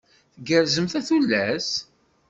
Tgerrzemt a tullas?